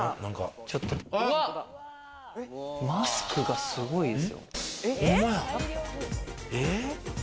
マスクがすごいですよ。